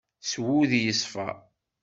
S wudi yeṣfa.